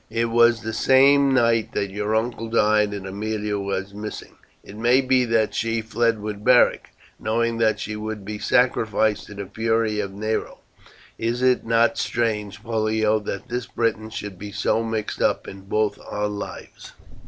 It was the same night that your uncle died and Aemilia was missing. It may be that she fled with Beric, knowing that she would be sacrificed to the fury of Nero. Is it not strange, Pollio, that this Briton should be so mixed up in both our lives?"